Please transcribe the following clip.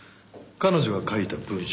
彼女が書いた文章。